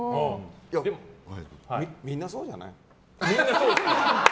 でも、みんなそうじゃない？